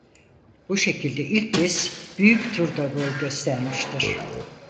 Bu şekilde ilk kez Büyük Tur'da boy göstermiştir.